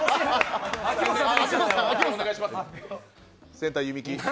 センター・弓木。